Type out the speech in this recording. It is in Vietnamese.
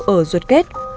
ở ruột kết